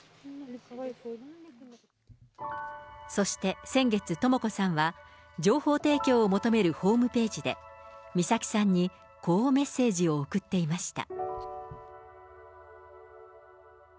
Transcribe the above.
そして先月、とも子さんは、情報提供を求めるホームページで、美咲さんにこうメッセージを送っていました。